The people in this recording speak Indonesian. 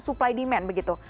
supply demand begitu